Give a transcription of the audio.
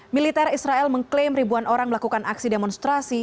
militer israel mengklaim ribuan orang melakukan aksi demonstrasi